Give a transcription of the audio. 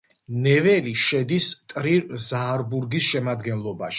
ნეველი შედის ტრირ-ზაარბურგის შემადგენლობაში.